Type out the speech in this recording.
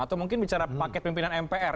atau mungkin bicara paket pimpinan mpr